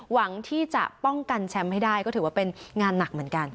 หวังที่จะป้องกันแชมป์ให้ได้ก็ถือว่าเป็นงานหนักเหมือนกัน